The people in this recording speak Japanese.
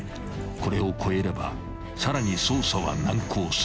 ［これを超えればさらに捜査は難航する］